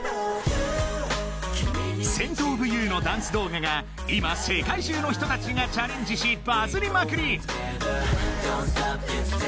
『Ｓｃｅｎｔｏｆｙｏｕ』のダンス動画が今世界中の人たちがチャレンジしバズりまくり